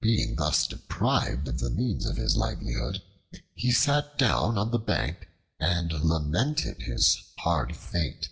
Being thus deprived of the means of his livelihood, he sat down on the bank and lamented his hard fate.